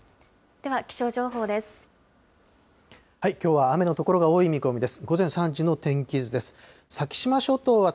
では気象情報です。